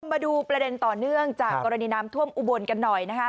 มาดูประเด็นต่อเนื่องจากกรณีน้ำท่วมอุบลกันหน่อยนะคะ